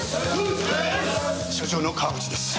署長の川渕です。